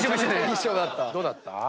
どうだった？